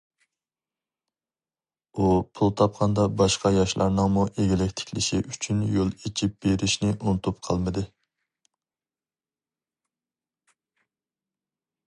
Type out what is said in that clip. ئۇ پۇل تاپقاندا باشقا ياشلارنىڭمۇ ئىگىلىك تىكلىشى ئۈچۈن يول ئېچىپ بېرىشنى ئۇنتۇپ قالمىدى.